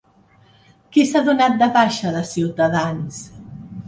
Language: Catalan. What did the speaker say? Qui s'ha donat de baixa de Ciutadans?